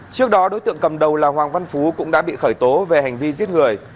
trước đó đối tượng cầm đầu là hoàng văn phú cũng đã bị khởi tố về hành vi giết người